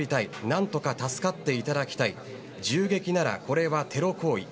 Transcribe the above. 何とか助かっていただきたい銃撃ならこれはテロ行為。